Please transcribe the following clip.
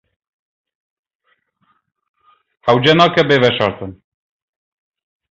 Hewce nake bê veşartin.